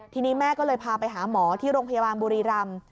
ทีนี้แม่ก็เลยพาไปหาหมอที่โรงพยาบาลบุรีรำ